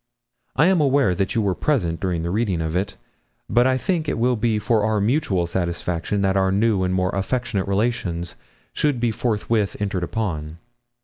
I am aware that you were present during the reading of it, but I think it will be for our mutual satisfaction that our new and more affectionate relations should be forthwith entered upon.